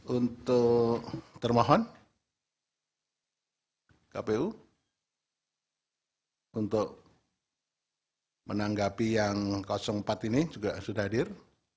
untuk termohon kpu untuk menanggapi yang empat ini juga sudah hadir